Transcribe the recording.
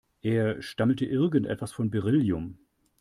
Er stammelte irgendwas von Beryllium.